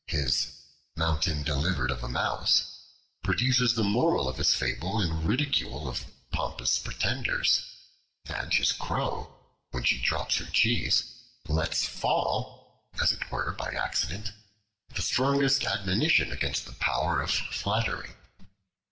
His 'Mountain delivered of a Mouse,' produces the moral of his fable in ridicule of pompous pretenders; and his Crow, when she drops her cheese, lets fall, as it were by accident, the strongest admonition against the power of flattery.